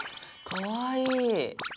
かわいい。